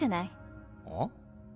あ？